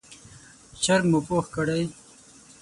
چرګ مو پوخ کړی،